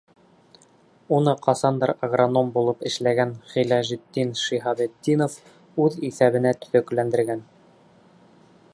Уны ҡасандыр агроном булып эшләгән Ғиләжетдин Шиһабетдинов үҙ иҫәбенә төҙөкләндергән.